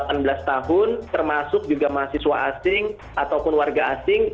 masyarakat di atas delapan belas tahun termasuk juga mahasiswa asing ataupun warga asing